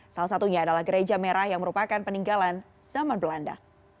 salah satunya adalah gereja merah yang merupakan peninggalan zaman belanda